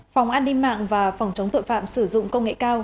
phòng an ninh mạng và phòng chống tội phạm sử dụng công nghệ cao